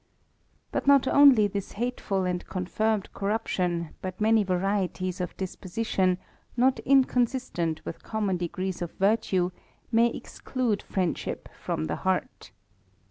But not only this hateful and confirmed corruption, but many varieties of disposition, not inconsistent with common degrees of virtue, may exclude friendship from the heart.